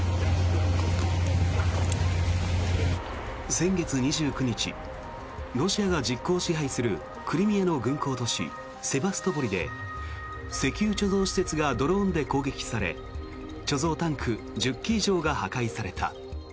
先月２９日ロシアが実効支配するクリミアの軍港都市セバストポリで石油貯蔵施設がドローンで攻撃され貯蔵タンク１０基以上が破壊された。